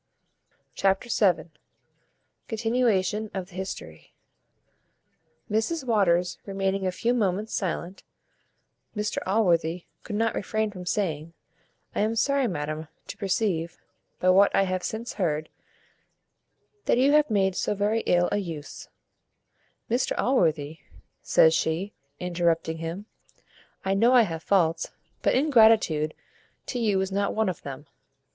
Chapter vii. Continuation of the history. Mrs Waters remaining a few moments silent, Mr Allworthy could not refrain from saying, "I am sorry, madam, to perceive, by what I have since heard, that you have made so very ill a use " "Mr Allworthy," says she, interrupting him, "I know I have faults, but ingratitude to you is not one of them.